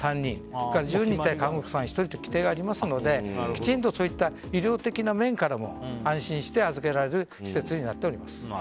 それから１０人に対して看護師さん１人という基準がありますのでそういう面からも安心して預けられる施設になっております。